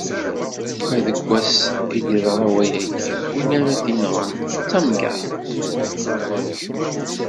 Ma deg wass i d-iḍra wayagi, win ara t-inɣen, d tamgerṭ.